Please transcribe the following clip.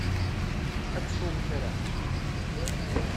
Ad teswem kra?